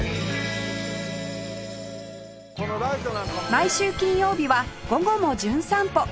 毎週金曜日は『午後もじゅん散歩』